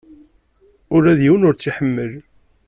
Ula d yiwen ur tt-iḥemmel.